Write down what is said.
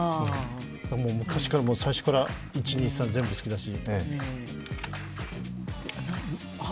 昔から、最初から１、２、３、全部好きだし。